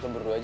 lo berdua aja